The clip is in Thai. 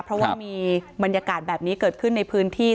เพราะว่ามีบรรยากาศแบบนี้เกิดขึ้นในพื้นที่